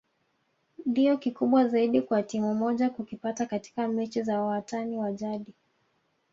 ndio kikubwa zaidi kwa timu moja kukipata katika mechi za watani wa jadi